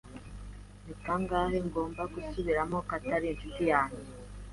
Ni kangahe ngomba gusubiramo ko atari inshuti yanjye?